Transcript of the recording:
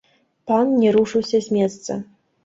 Пан не рушыўся з месца.